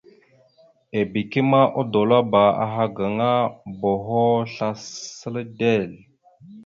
Ebeke ma odolabáaha gaŋa boho səla dezl.